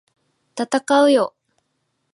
闘うよ！！